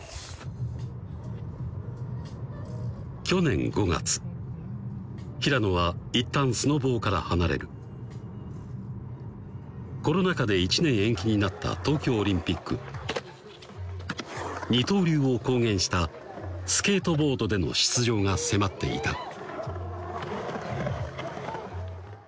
去年５月平野は一旦スノボーから離れるコロナ禍で１年延期になった東京オリンピック二刀流を公言したスケートボードでの出場が迫っていた